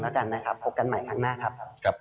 พบกันใหม่ในครั้งหน้าครับ